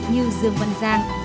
như dương văn giang